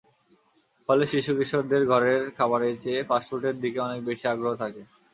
ফলে শিশু-কিশোরদের ঘরের খাবারের চেয়ে ফাস্ট ফুডের দিকে অনেক বেশি আগ্রহ থাকে।